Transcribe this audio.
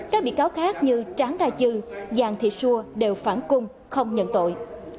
các bị cáo khác như tráng đa chư giang thị xua đều phản cung không nhận tội